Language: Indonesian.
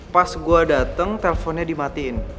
pas gue dateng telponnya dimatiin